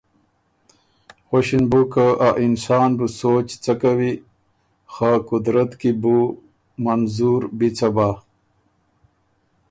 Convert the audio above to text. غؤݭِن بُو که ا انسان بُو سوچ څۀ کوی خه قدرت کی بو منظور بی څۀ بَۀ